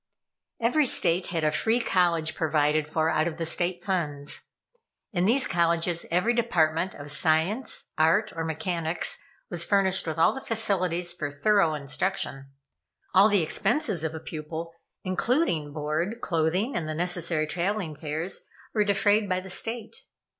Every State had a free college provided for out of the State funds. In these colleges every department of Science, Art, or Mechanics was furnished with all the facilities for thorough instruction. All the expenses of a pupil, including board, clothing, and the necessary traveling fares, were defrayed by the State.